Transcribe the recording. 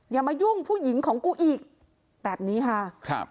อย่ามายุ่งผู้หญิงของกูอีกแบบนี้ค่ะครับ